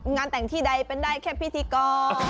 งานแต่งที่ใดเป็นได้แค่พิธีกร